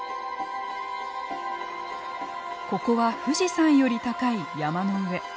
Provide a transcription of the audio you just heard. ここは富士山より高い山の上。